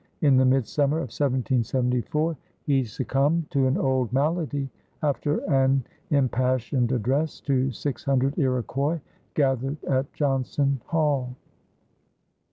In the midsummer of 1774 he succumbed to an old malady after an impassioned address to six hundred Iroquois gathered at Johnson Hall.